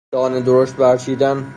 دانه درشت بر چیدن